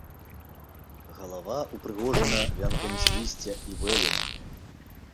Галава ўпрыгожана вянком з лісця і вэлюмам.